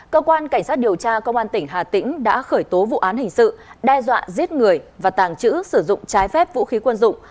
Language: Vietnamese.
cơ quan cảnh sát điều tra công an tỉnh hà tĩnh đã khởi tố vụ án hình sự đe dọa giết người và tàng trữ sử dụng trái phép vũ khí quân dụng